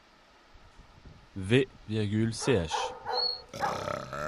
V, ch.